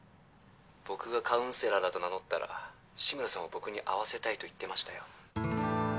僕がカウンセラーだと名乗ったら志村さんを僕に会わせたいと言ってましたよ